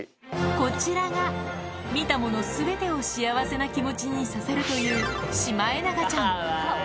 こちらが、見た者すべてを幸せな気持ちにさせるという、シマエナガちゃん。